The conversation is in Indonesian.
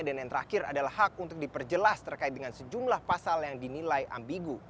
dan yang terakhir adalah hak untuk diperjelas terkait dengan sejumlah pasal yang dinilai ambigu